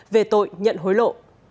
về tội nhận hối lộ